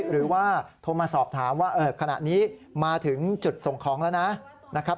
หรือว่าโทรมาสอบถามว่าขณะนี้มาถึงจุดส่งของแล้วนะครับ